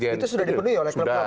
sudah di penuhi oleh klub klub